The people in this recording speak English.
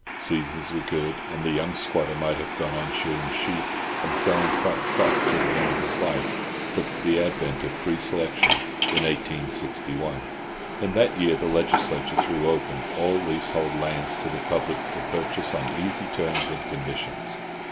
Seasons were good, and the young squatter might have gone on shearing sheep and selling fat stock till the end of his life but for the advent of free selection in 1861. In that year the Legislature threw open all leasehold lands to the public for purchase on easy terms and conditions.